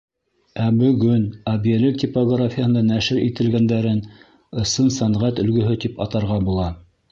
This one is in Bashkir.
Ә бөгөн Әбйәлил типографияһында нәшер ителгәндәрен ысын сәнғәт өлгөһө тип атарға була.